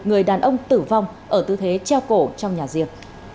người đàn ông tử vong ở tư thế treo cổ trong nhà riêng